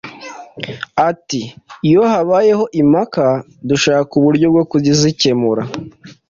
Ati “ Iyo habayeho impaka dushaka uburyo bwo kuzikemura